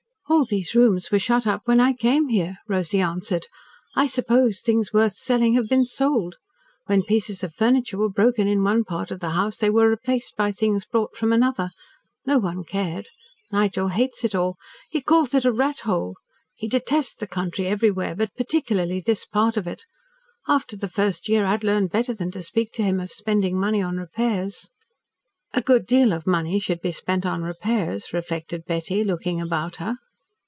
"All these rooms were shut up when I came here," Rosy answered. "I suppose things worth selling have been sold. When pieces of furniture were broken in one part of the house, they were replaced by things brought from another. No one cared. Nigel hates it all. He calls it a rathole. He detests the country everywhere, but particularly this part of it. After the first year I had learned better than to speak to him of spending money on repairs." "A good deal of money should be spent on repairs," reflected Betty, looking about her.